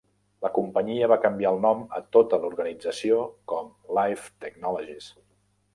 La companyia va canviar el nom a tota l"organització com Life Technologies.